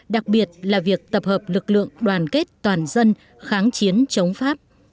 đặc biệt là việc tập hợp lực lượng đoàn kết toàn dân kháng chiến chống pháp